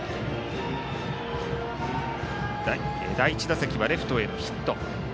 第１打席はレフトへのヒット。